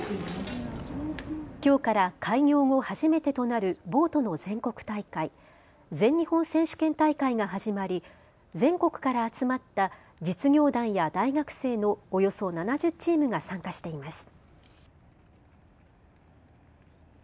きょうから開業後初めてとなるボートの全国大会、全日本選手権大会が始まり全国から集まった実業団や大学生のおよそ７０チームが参加しています。